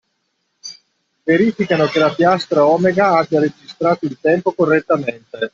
Verificano che la piastra omega abbia registrato il tempo correttamente